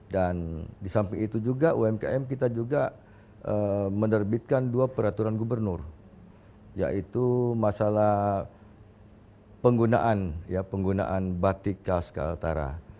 dan di samping itu juga umkm kita juga menerbitkan dua peraturan gubernur yaitu masalah penggunaan batik kals kaltara